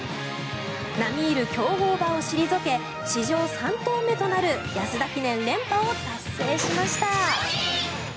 並みいる強豪馬を退け史上３頭目となる安田記念連覇を達成しました。